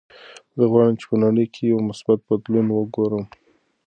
زه غواړم چې په نړۍ کې یو مثبت بدلون وګورم.